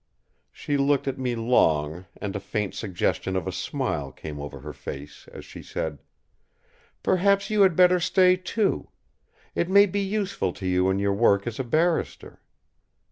She looked at me long, and a faint suggestion of a smile came over her face as she said: "Perhaps you had better stay, too! It may be useful to you in your work as a barrister!"